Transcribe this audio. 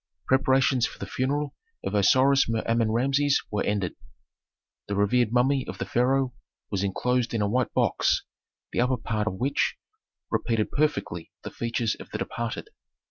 Preparations for the funeral of Osiris Mer Amen Rameses were ended. The revered mummy of the pharaoh was inclosed in a white box, the upper part of which repeated perfectly the features of the departed.